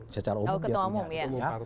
secara umum dia punya